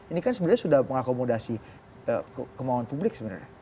ini kan sebenarnya sudah mengakomodasi kemauan publik sebenarnya